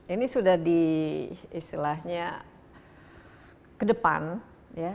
ini sudah di istilahnya ke depan ya